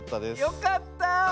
よかった。